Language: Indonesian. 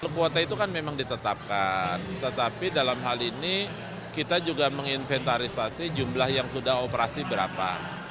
sepuluh kuota itu kan memang ditetapkan tetapi dalam hal ini kita juga menginventarisasi jumlah yang sudah operasi berapa